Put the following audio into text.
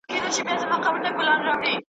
چي غوايي ته دي هم کله چل په زړه سي ,